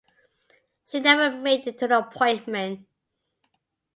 She never made it to the appointment.